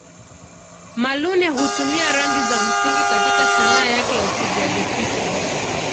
Muluneh hutumia rangi za msingi katika Sanaa yake ya upigaji picha.